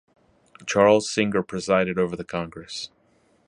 Charles Singer presided over the congress.